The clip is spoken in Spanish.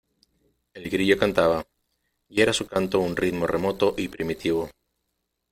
el grillo cantaba, y era su canto un ritmo remoto y primitivo.